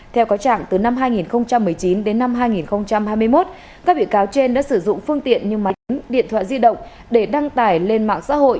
theo có trạng từ năm hai nghìn một mươi chín đến năm hai nghìn hai mươi một các bị cáo trên đã sử dụng phương tiện như máy điện thoại di động để đăng tải lên mạng xã hội